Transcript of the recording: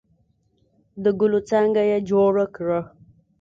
د ګلو څانګه یې جوړه کړه.